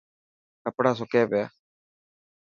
ڪپڙا سڪي پيا.